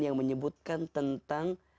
yang menyebutkan tentang